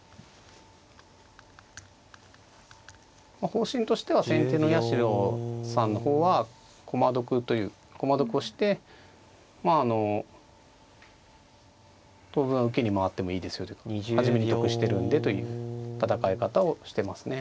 方針としては先手の八代さんの方は駒得をしてまああの当分は受けに回ってもいいですよというか始めに得してるんでという戦い方をしてますね。